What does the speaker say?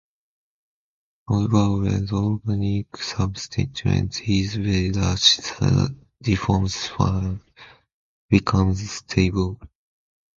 However, when the organic substituent is very large, the diphosphene becomes stable.